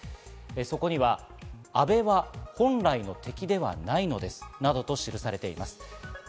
そこには、「安倍は本来の敵ではないのです」などと記されています。